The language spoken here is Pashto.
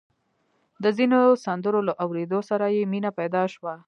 د ځينو سندرو له اورېدو سره يې مينه پيدا شوه.